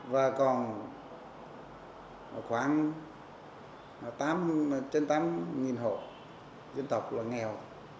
và còn khoảng trên tám hộ dân tộc là nghèo